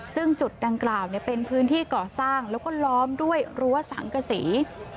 ซึ่งจุดดังกล่าวเป็นพื้นที่ก่อสร้างแล้วก็ล้อมด้วยรั้วสังกษี